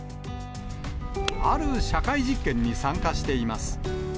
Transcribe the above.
ある社会実験に参加しています。